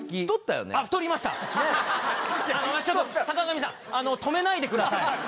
坂上さん止めないでください！